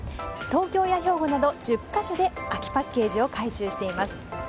東京や兵庫など１０か所で空きパッケージを回収しています。